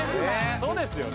そうですよね。